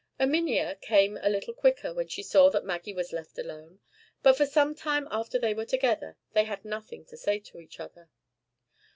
Erminia came a little quicker when she saw that Maggie was left alone; but for some time after they were together, they had nothing to say to each other.